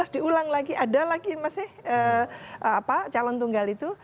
dua ribu tujuh belas diulang lagi ada lagi masih calon tunggal itu